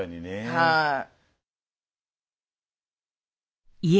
はい。